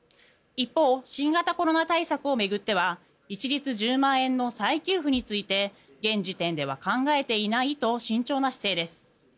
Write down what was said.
一方、新型コロナ対策を巡っては一律１０万円の再給付について現時点では考えていないと慎重な姿勢です。